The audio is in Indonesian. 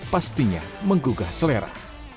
pastinya menggugah selera